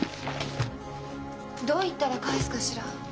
どう言ったら返すかしら？